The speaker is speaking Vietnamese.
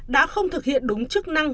đã không thực hiện đúng chức năng